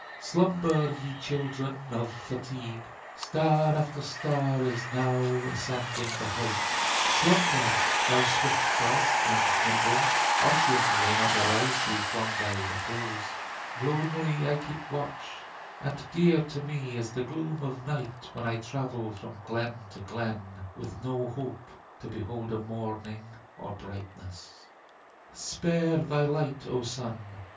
Slumber, ye children of fatigue; Star after star is now ascending the height. Slumber! thou swift dog and nimble Ossian will arouse thee not from thy repose. Lonely I keep watch, And dear to me is the gloom of night When I travel from glen to glen, With no hope to behold a morning or brightness. Spare thy light, O Sun!